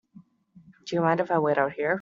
Do you mind if I wait out here?